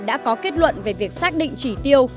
đã có kết luận về việc xác định chỉ tiêu